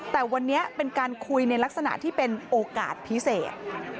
แต่วันนี้เป็นการคุยในลักษณะที่เป็นโอกาสพิเศษ